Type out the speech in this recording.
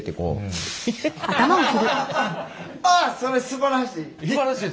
それすばらしい！